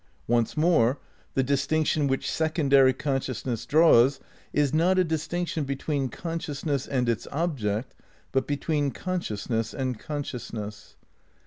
Once more, the distinction which secondary consciousness draws is not a distinction between consciousness and its object, but between consciousness and consciousness.